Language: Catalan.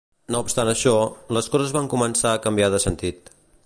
No obstant això, les coses van començar a canviar de sentit.